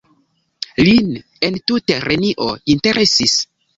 Lin entute nenio interesis.